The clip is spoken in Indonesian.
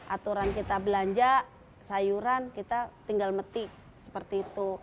aturan kita belanja sayuran kita tinggal meti seperti itu